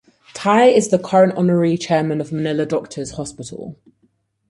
Ty is the current honorary chairman of Manila Doctors Hospital.